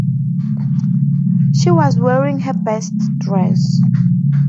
She was wearing her best dress.